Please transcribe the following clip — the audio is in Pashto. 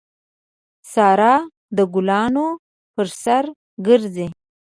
سارا د ګلانو پر سر ګرځي.